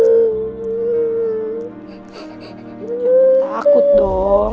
jangan takut dong